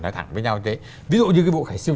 nói thẳng với nhau ví dụ như cái vụ khải siêu